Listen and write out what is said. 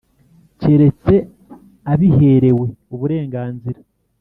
keretse abiherewe uburenganzira